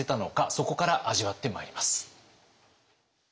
そこから味わってまいります。